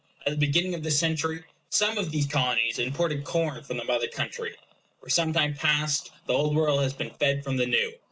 At the beginning of the century some of these Colonies imported corn from the Mother Country. For some time past the Old World has been fed from the New.